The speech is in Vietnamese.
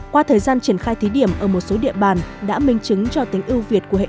qua thời gian triển khai thí điểm ở một số địa bàn đã minh chứng cho tính ưu việt của hệ thống